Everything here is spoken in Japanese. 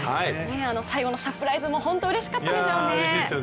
最後のサプライズも本当にうれしかったでしょうね。